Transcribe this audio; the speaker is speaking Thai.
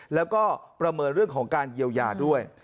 แล้วก็ประเมินเรื่องของการเยียวยาด้วย